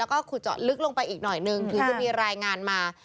ก็คูะจอดลึกลงไปอีกหน่อยหนึ่งถือมีรายงานมา